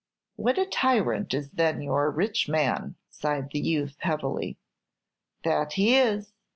"What a tyrant is then your rich man!" sighed the youth, heavily. "That he is.